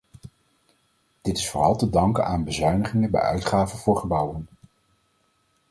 Dit is vooral te danken aan bezuinigingen bij uitgaven voor gebouwen.